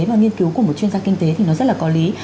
và nghiên cứu của một chuyên gia kinh tế thì nó rất là có lý